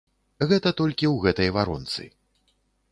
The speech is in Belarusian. Гэта толькі ў гэтай варонцы.